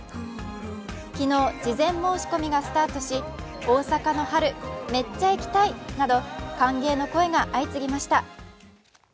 昨日事前申し込みがスタートし、大阪の春、めっちゃ行きたいなど歓迎の声が相次ぎました。